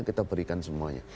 kita berikan semuanya